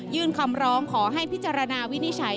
คำร้องขอให้พิจารณาวินิจฉัย